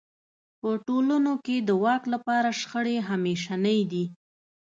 په ټولنو کې د واک لپاره شخړې همېشنۍ دي.